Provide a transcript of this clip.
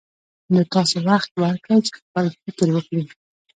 نو تاسې وخت ورکړئ چې خپل فکر وکړي.